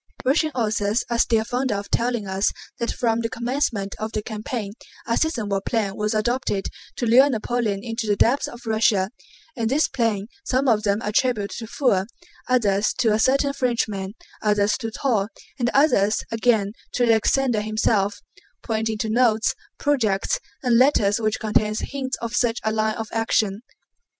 Russian authors are still fonder of telling us that from the commencement of the campaign a Scythian war plan was adopted to lure Napoleon into the depths of Russia, and this plan some of them attribute to Pfuel, others to a certain Frenchman, others to Toll, and others again to Alexander himself—pointing to notes, projects, and letters which contain hints of such a line of action.